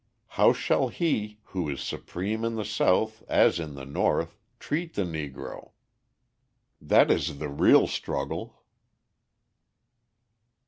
How shall he, who is supreme in the South as in the North, treat the Negro? That is the real struggle!